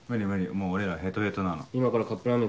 もう俺らヘトヘトなの。